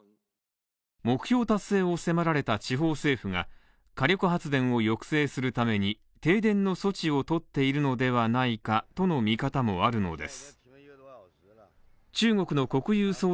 目標達成を迫られた地方政府が火力発電を抑制するために停電の措置を取っているのではないかとの見方もあるのです。